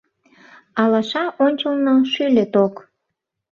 Алаша ончылно шӱльӧ ток.